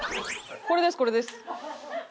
これですこれです。